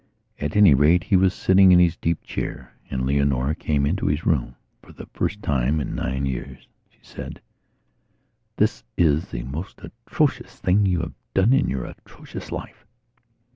At any rate, he was sitting in his deep chair, and Leonora came into his roomfor the first time in nine years. She said: "This is the most atrocious thing you have done in your atrocious life."